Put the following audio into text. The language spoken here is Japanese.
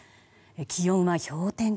気温は氷点下。